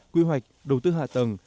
quy hoạch đầu tư hạ tầng